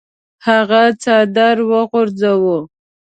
هغه څادر وغورځاوه.